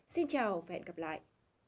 xin chào và hẹn gặp lại